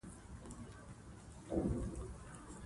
بې پيسو زوی يواځې په مور ګران وي